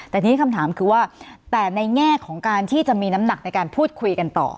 แต่ทีนี้คำถามคือว่าแต่ในแง่ของการที่จะมีน้ำหนักในการพูดคุยกันต่อ